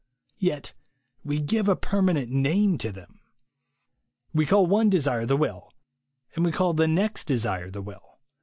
Yet we give a permanent name to them. We call one desire the will, and we call the next desire the will.